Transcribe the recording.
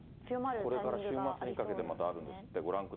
これから週末にかけてまたあるんですって。